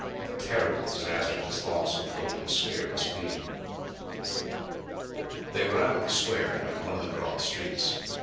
A terrible disaster, this loss of the golden sphere must be! They were out of the square and in one of the broad streets.